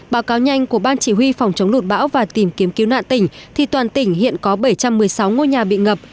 báo cáo nhanh của ban chỉ huy phòng chống lụt bão và tìm kiếm cứu nạn tỉnh thì toàn tỉnh hiện có bảy trăm một mươi sáu ngôi nhà bị ngập